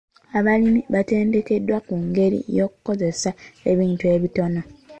Abalimi batendekeddwa ku ngeri y'okukozesa ebintu ebitono.